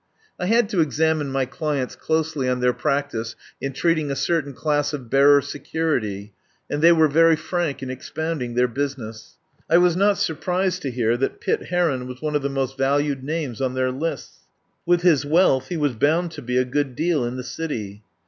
I had to examine my clients closely on their practice in treating a certain class of bearer security, and they were very frank in ex pounding their business. I was not surprised to hear that Pitt Heron was one of the most valued names on their lists. With his wealth he was bound to be a good deal in the city.